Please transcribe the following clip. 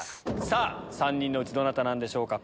さぁ３人のうちどなたなんでしょうか。